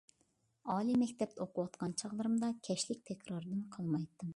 ئالىي مەكتەپتە ئوقۇۋاتقان چاغلىرىمدا، كەچلىك تەكراردىن قالمايتتىم.